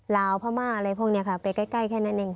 ลาวพม่าอะไรพวกนี้ค่ะไปใกล้แค่นั้นเอง